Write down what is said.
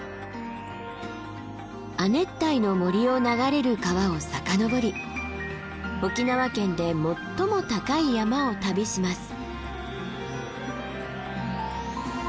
亜熱帯の森を流れる川を遡り沖縄県で最も高い山を旅します。